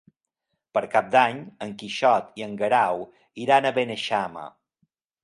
Per Cap d'Any en Quixot i en Guerau iran a Beneixama.